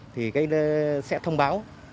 thì sẽ thông báo